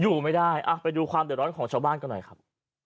อยู่ไม่ได้ไปดูความเดือดร้อนของชาวบ้านกันหน่อยครับ